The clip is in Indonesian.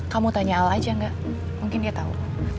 kamu tanya al aja nggak mungkin dia tahu